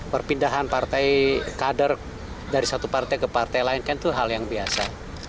perpindahan partai kader dari satu partai ke partai lain kan itu hal yang biasa